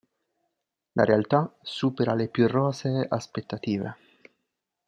La realtà supera le più rosee aspettative.